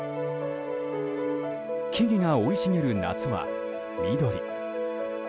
木々が生い茂る夏は緑。